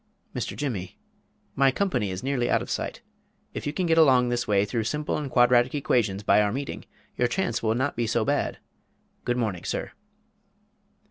"Mr. Jimmy, my company is nearly out of sight if you can get along this way through simple and quadratic equations by our meeting, your chance will not be so bad good morning, sir."